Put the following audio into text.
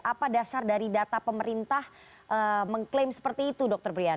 apa dasar dari data pemerintah mengklaim seperti itu dokter brian